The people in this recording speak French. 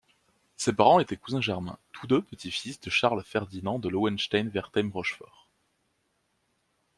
Ses parents étaient cousins germains, tous deux petits-fils de Charles-Ferdinand de Lowenstein-Wertheim-Rochefort.